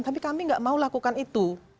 tapi kami nggak mau lakukan itu